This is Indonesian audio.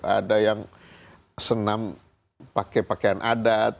ada yang senam pakai pakaian adat